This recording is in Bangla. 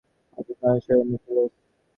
অদ্ভুত মানুষ ঐ নিখিলেশ।